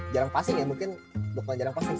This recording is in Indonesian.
jarang passing ya mungkin